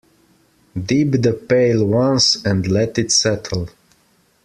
Dip the pail once and let it settle.